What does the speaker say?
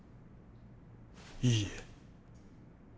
いいえ。